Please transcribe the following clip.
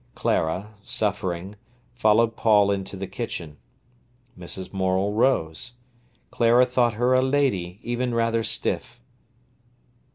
Clara, suffering, followed Paul into the kitchen. Mrs. Morel rose. Clara thought her a lady, even rather stiff.